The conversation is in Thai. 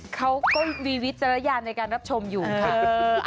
เขาก็มีวิจารณญาณในการรับชมอยู่ค่ะ